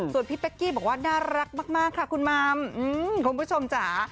ส่วนพี่เป๊กกี้บอกว่าน่ารักมากค่ะคุณมัมคุณผู้ชมจ๋า